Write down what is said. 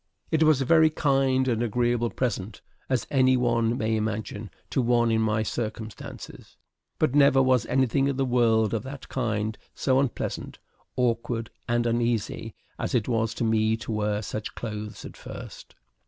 It was a very kind and agreeable present, as any one may imagine, to one in my circumstances, but never was anything in the world of that kind so unpleasant, awkward, and uneasy as it was to me to wear such clothes at first.